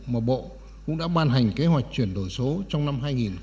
mà bộ cũng đã ban hành kế hoạch chuyển đổi số trong năm hai nghìn hai mươi